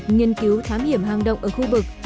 trong việc nghiên cứu thám hiểm hàng động ở khu vực